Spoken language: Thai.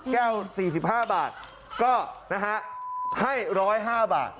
แก้ว๔๕บาทก็นะฮะให้๑๐๕บาท